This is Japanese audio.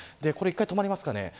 これ、１回とまりますかね。